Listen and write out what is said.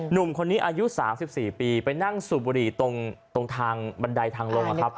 หนุ่มคนนี้อายุ๓๔ปีไปนั่งสูบบุหรี่ตรงทางบันไดทางลงครับ